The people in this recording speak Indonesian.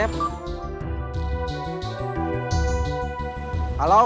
istralah mereka eiums ke duit kualitas